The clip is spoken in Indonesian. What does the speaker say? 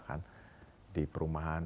kan di perumahan